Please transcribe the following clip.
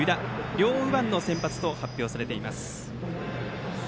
両右腕の先発と発表されています。